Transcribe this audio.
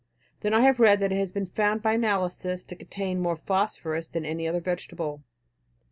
Then I have read that it has been found by analysis to contain more phosphorus than any other vegetable.